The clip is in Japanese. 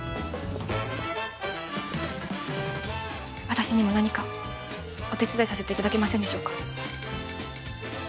私にも何かお手伝いさせて頂けませんでしょうか？